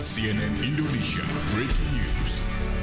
cnn indonesia breaking news